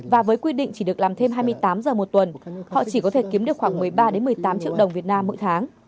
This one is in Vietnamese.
và với quy định chỉ được làm thêm hai mươi tám giờ một tuần họ chỉ có thể kiếm được khoảng một mươi ba một mươi tám triệu đồng việt nam mỗi tháng